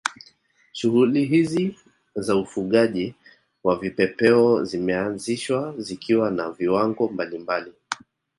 Shughuli hizi za ufugaji wa vipepeo zimeanzishwa zikiwa na viwango mbalimbali